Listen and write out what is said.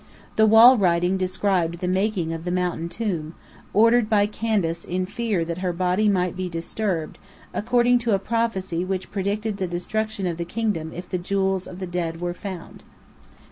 The wall writing described the making of the mountain tomb, ordered by Candace in fear that her body might be disturbed, according to a prophecy which predicted the destruction of the kingdom if the jewels of the dead were found.